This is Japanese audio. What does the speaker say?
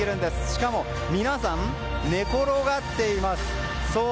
しかも皆さん、寝転がっています。